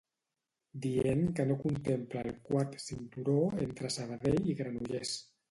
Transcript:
Dient que no contempla el Quart Cinturó entre Sabadell i Granollers